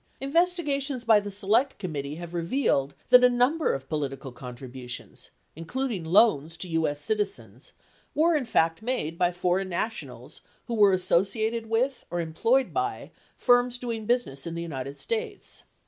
Investigations by the Select Committee have revealed that a number of political contributions — in cluding loans to US. citizens — were in fact made by foreign nationals who were associated with or employed by firms doing busi ness in the United States.